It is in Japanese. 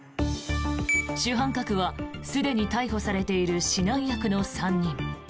主犯格は、すでに逮捕されている指南役の３人。